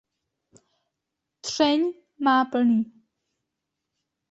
Třeň má plný.